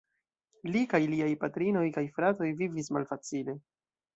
Li kaj liaj patrino kaj fratoj vivis malfacile.